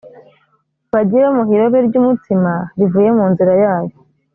bajye bamuha irobe ry’umutsima rivuye mu nzira yayo